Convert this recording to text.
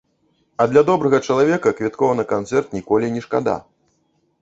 А для добрага чалавека квіткоў на канцэрт ніколі не шкада!